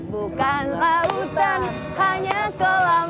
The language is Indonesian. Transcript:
bukan lautan hanya kolam